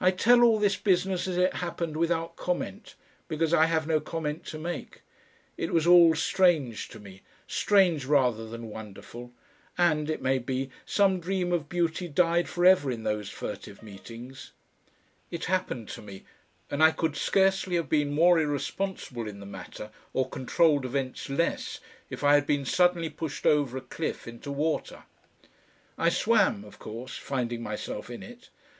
I tell all this business as it happened without comment, because I have no comment to make. It was all strange to me, strange rather than wonderful, and, it may be, some dream of beauty died for ever in those furtive meetings; it happened to me, and I could scarcely have been more irresponsible in the matter or controlled events less if I had been suddenly pushed over a cliff into water. I swam, of course finding myself in it.